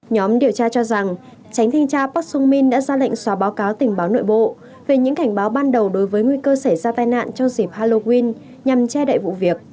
nhóm điều tra cho rằng tránh thanh tra parksungin đã ra lệnh xóa báo cáo tình báo nội bộ về những cảnh báo ban đầu đối với nguy cơ xảy ra tai nạn trong dịp halloween nhằm che đậy vụ việc